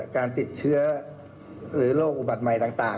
กอมเป็นจากที่ว่า